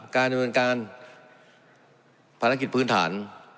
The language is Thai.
การดำเนินการภารกิจพื้นฐาน